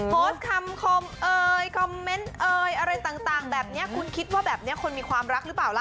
คำคมเอ่ยคอมเมนต์เอ่ยอะไรต่างแบบนี้คุณคิดว่าแบบนี้คนมีความรักหรือเปล่าล่ะ